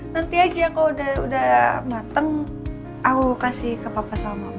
nanti aja kalau udah mateng aku kasih ke papa sama aku